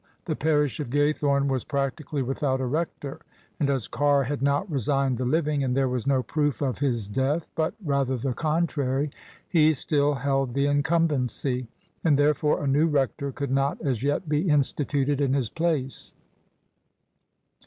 The parish of Gaythome was practically without a rector: and as Carr had not resigned the living, and there was no proof of his death, but rather the contrary, he still held the incumbency; and therefore a new rector could not as yet be instituted in his place.